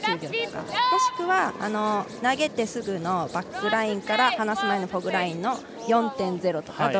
もしくは、投げてすぐのバックラインから離す前のホッグラインの４．０とか。